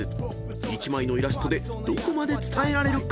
［１枚のイラストでどこまで伝えられるか］